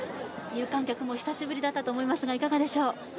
有観客見も久しぶりだったと思いますが、いかがでしたか？